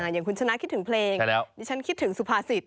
อย่างคุณชนะคิดถึงเพลงดิฉันคิดถึงสุภาษิต